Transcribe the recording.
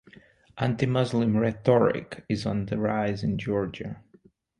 Anti-Muslim rhetoric is on the rise in Georgia.